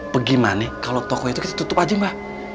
bagaimana kalau toko itu kita tutup aja mbak